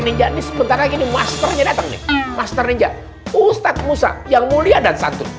ninja yang sebelumnya gini masternya datang master ninja ustadz musa yang mulia dan satu